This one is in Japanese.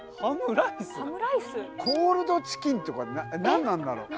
コールドチキンとか何なんだろう。